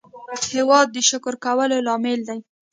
هېواد د شکر کولو لامل دی.